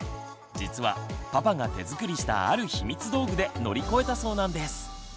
実はパパが手作りしたある秘密道具で乗り越えたそうなんです。